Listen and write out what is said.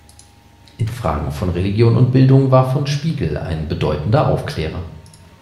In Fragen von Religion und Bildung war von Spiegel ein bedeutender Aufklärer.